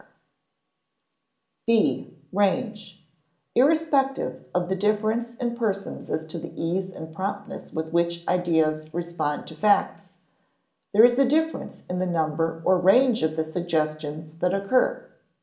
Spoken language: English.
[Sidenote: (b) range] (b) Irrespective of the difference in persons as to the ease and promptness with which ideas respond to facts, there is a difference in the number or range of the suggestions that occur.